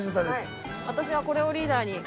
私はこれをリーダーに。